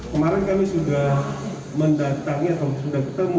kemarin kami sudah mendatangi atau sudah ketemu